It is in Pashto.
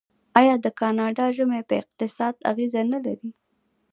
آیا د کاناډا ژمی په اقتصاد اغیز نلري؟